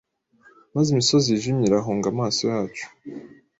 maze imisozi yijimye irahunga amaso yacu